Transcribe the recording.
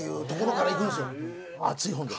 熱い本です。